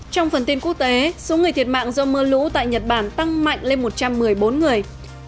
trong phần tin quốc tế số người thiệt mạng do mưa lũ tại nhật bản tăng mạnh lên một trăm một mươi bốn người